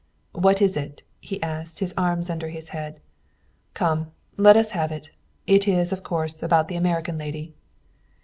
"What is it?" he asked, his arms under his head. "Come, let us have it! It is, of course, about the American lady."